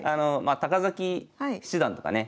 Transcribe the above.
崎七段とかね